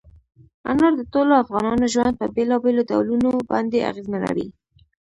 انار د ټولو افغانانو ژوند په بېلابېلو ډولونو باندې اغېزمنوي.